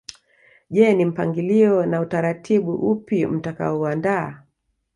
Je ni mpangilio na utaratibu upi mtakaouandaa